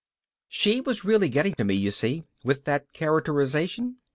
_She was really getting to me, you see, with that characterization.